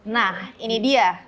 nah ini dia